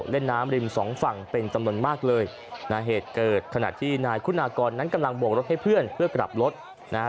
เล่นน้ำริมสองฝั่งเป็นจำนวนมากเลยนะเหตุเกิดขณะที่นายคุณากรนั้นกำลังโบกรถให้เพื่อนเพื่อกลับรถนะฮะ